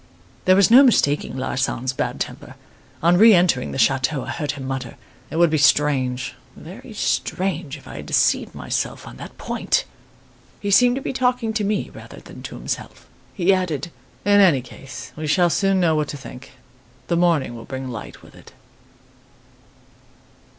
"There was no mistaking Larsan's bad temper. On re entering the chateau, I heard him mutter: "'It would be strange very strange if I had deceived myself on that point!' "He seemed to be talking to me rather than to himself. He added: 'In any case, we shall soon know what to think. The morning will bring light with it.